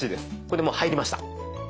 これでもう入りました。